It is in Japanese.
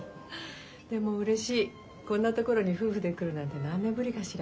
でもうれしいこんな所に夫婦で来るなんて何年ぶりかしら。